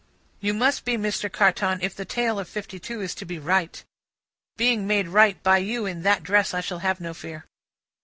"You must be, Mr. Carton, if the tale of fifty two is to be right. Being made right by you in that dress, I shall have no fear."